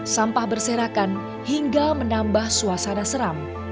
sampah berserakan hingga menambah suasana seram